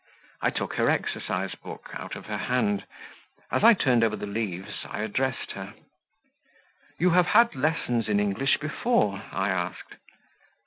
I took her exercise book out of her hand; as I turned over the leaves I addressed her: "You have had lessons in English before?" I asked.